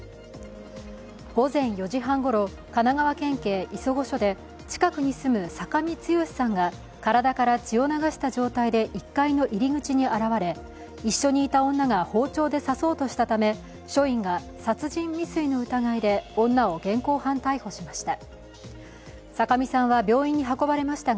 午前４時半ごろ、神奈川県警磯子署で近くに住む酒見剛さんが体から血を流した状態で一緒にいた女が包丁で刺そうとしたため署員が殺人未遂の疑いで女を現行犯逮捕しました。